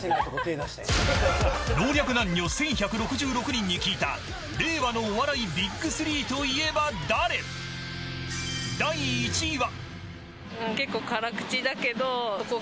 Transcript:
老若男女１１６６人に聞いた令和のＢＩＧ３といえば誰第１位は。